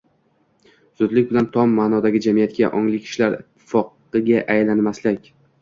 — zudlik bilan tom ma’nodagi jamiyatga — ongli kishilar ittifoqiga aylanmasak